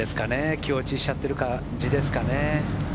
気落ちしちゃってる感じですかね。